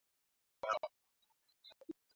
Anza na wanyama walio salama wakati wa kukamua maziwa